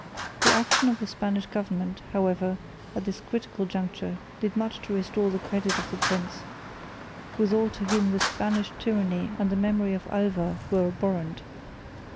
The action of the Spanish government, however, at this critical juncture did much to restore the credit of the prince with all to whom the Spanish tyranny and the memory of Alva were abhorrent.